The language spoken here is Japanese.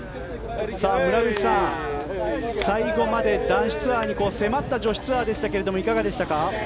村口さん、最後まで男子ツアーに迫った女子ツアーでしたがいかがでしたか？